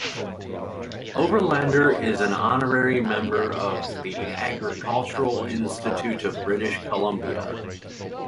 Oberlander is an honorary member of the Architectural Institute of British Columbia.